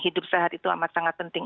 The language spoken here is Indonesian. hidup sehat itu amat sangat penting